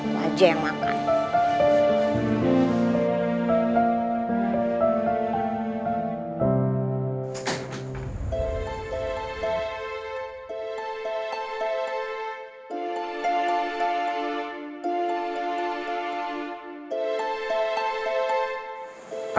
aku aja yang makan